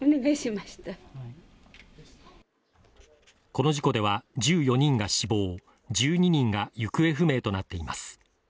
この事故では１４人が死亡、１２人が行方不明となっています。